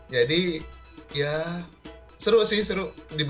ya seru sih seru